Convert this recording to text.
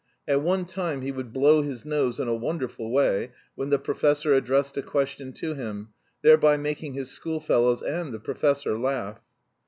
At one time he would blow his nose in a wonderful way when the professor addressed a question to him, thereby making his schoolfellows and the professor laugh.